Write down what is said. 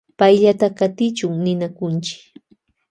Payllata katichun ninakunchi.